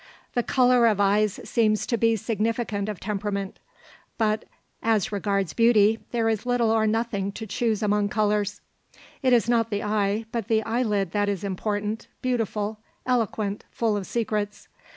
The colour of eyes seems to be significant of temperament, but as regards beauty there is little or nothing to choose among colours. It is not the eye, but the eyelid, that is important, beautiful, eloquent, full of secrets.